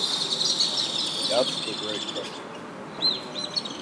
That's the great question.